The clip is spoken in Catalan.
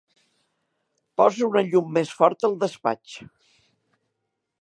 Posa una llum més forta al despatx.